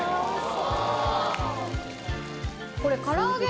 これから揚げ。